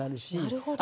なるほど。